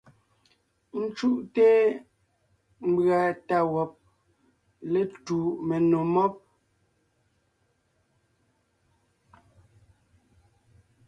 Ńcúʼte mbʉ̀a tá wɔb létu menò mɔ́b.